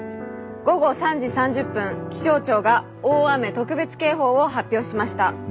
午後３時３０分気象庁が大雨特別警報を発表しました。